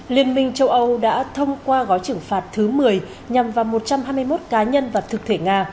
liên minh châu âu đã thông qua gói trừng phạt thứ một mươi nhằm vào một trăm hai mươi một cá nhân và thực thể nga